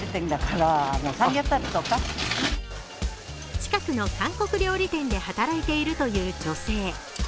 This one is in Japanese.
近くの韓国料理店で働いているという女性。